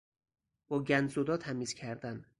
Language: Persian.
با گندزدا تمیز کردن